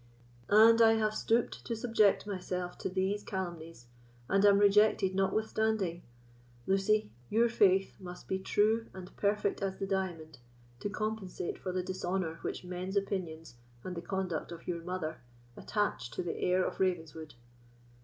"And I have stooped to subject myself to these calumnies, and am rejected notwithstanding! Lucy, your faith must be true and perfect as the diamond to compensate for the dishonour which men's opinions, and the conduct of your mother, attach to the heir of Ravenswood!"